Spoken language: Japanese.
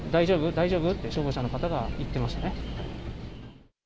大丈夫？って消防車の方が言っていましたね。